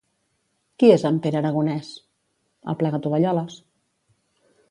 Qui és en Pere Aragonès?